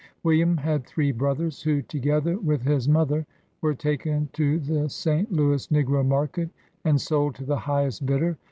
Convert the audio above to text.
"William had three brothers, who, together with his mother, were taken to the St. Louis negro market, and sold to the highest bidder.